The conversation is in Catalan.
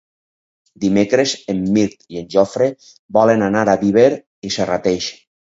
Dimecres en Mirt i en Jofre volen anar a Viver i Serrateix.